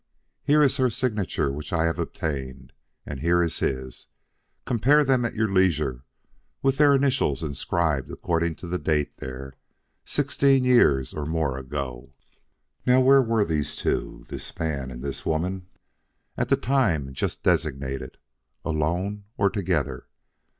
Here is her signature which I have obtained; and here is his. Compare them at your leisure with their initials inscribed according to the date there, sixteen years or more ago. Now where were these two this man and this woman at the time just designated? Alone, or together?